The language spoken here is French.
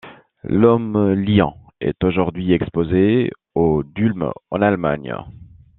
L'homme-lion est aujourd'hui exposé au d'Ulm, en Allemagne.